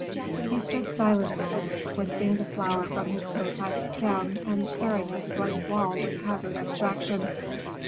'" He stood silent a moment, twisting the flower from his coat by the stem and staring at the blank wall with haggard abstraction.